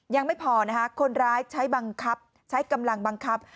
ยังไม่พอนะคะคนร้ายใช้บังคับใช้กำลังบังคับ